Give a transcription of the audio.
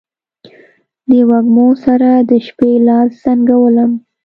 د وږمو سره، د شپې لاس زنګولم